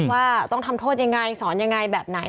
ว่าต้องทำโทษยังไงสอนยังไงแบบไหน